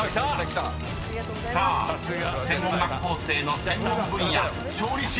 ［さあ専門学校生の専門分野調理師は⁉］